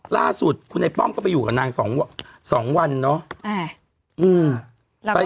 ล่าสุดคุณไอ้ป้อมก็ไปอยู่กับนาง๒วันเนาะ